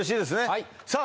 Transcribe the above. はいさあ